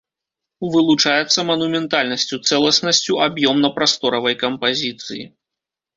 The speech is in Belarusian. Вылучаецца манументальнасцю, цэласнасцю аб'ёмна-прасторавай кампазіцыі.